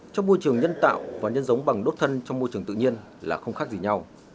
trong môi trường nhân tạo và nhân giống bằng đốt thân trong môi trường tự nhiên là không khác gì nhau